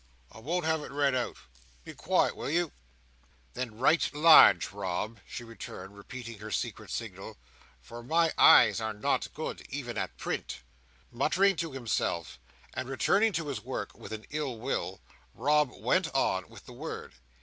"I won't have it read out. Be quiet, will you!" "Then write large, Rob," she returned, repeating her secret signal; "for my eyes are not good, even at print." Muttering to himself, and returning to his work with an ill will, Rob went on with the word.